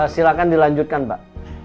silahkan dilanjutkan pak